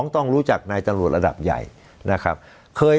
๒ต้องรู้จักนายจังหลวดระดับใหญ่